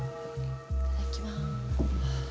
いただきます。